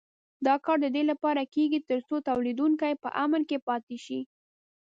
دا کار د دې لپاره کېږي تر څو تولیدوونکي په امن کې پاتې شي.